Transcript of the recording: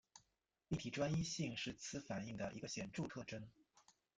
立体专一性是此反应的一个显着特征。